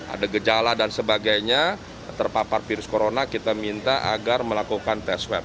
ada gejala dan sebagainya terpapar virus corona kita minta agar melakukan tes swab